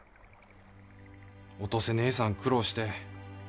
お登世ねえさん苦労して。